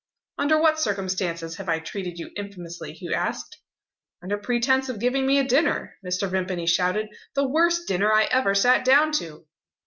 "Under what circumstances have I treated you infamously?" Hugh asked. "Under pretence of giving me a dinner," Mr. Vimpany shouted "the worst dinner I ever sat down to!"